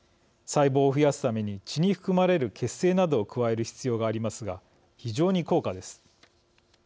細胞を増やすために血に含まれる血清などを加える必要がありますが非常に高価です。